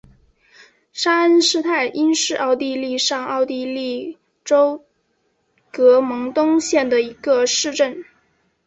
沙恩施泰因是奥地利上奥地利州格蒙登县的一个市镇。